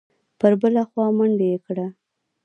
پر بله خوا منډه یې کړه.